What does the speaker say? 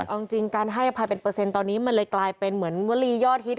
เอาจริงการให้อภัยเป็นเปอร์เซ็นต์ตอนนี้มันเลยกลายเป็นเหมือนวลียอดฮิต